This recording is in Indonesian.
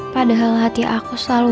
padahal hati aku selalu